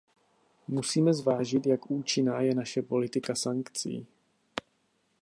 Musíme zvážit, jak účinná je naše politika sankcí.